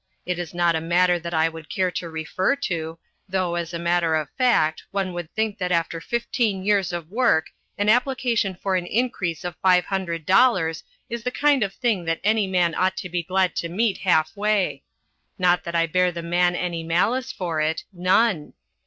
It is not a matter that I would care to refer to; though, as a matter of fact, one would think that after fifteen years of work an application for an increase of five hundred dollars is the kind of thing that any man ought to be glad to meet half way. Not that I bear the man any malice for it. None.